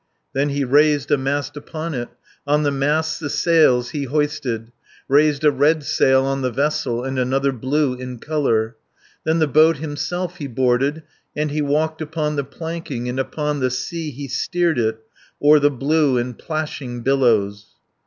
Then he raised a mast upon it, On the masts the sails he hoisted, 20 Raised a red sail on the vessel, And another blue in colour, Then the boat himself he boarded, And he walked upon the planking, And upon the sea he steered it, O'er the blue and plashing billows.